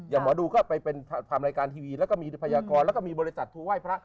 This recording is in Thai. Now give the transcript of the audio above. อย่างหมอดูก็ไปเป็นภารการทีวีแล้วก็มีภัยกรแล้วก็มีบริษัทถูกไหว้พระ